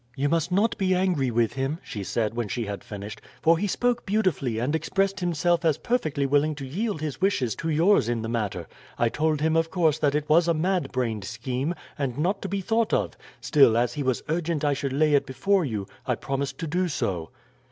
"You must not be angry with him," she said when she had finished; "for he spoke beautifully, and expressed himself as perfectly willing to yield his wishes to yours in the matter. I told him, of course, that it was a mad brained scheme, and not to be thought of. Still, as he was urgent I should lay it before you, I promised to do so."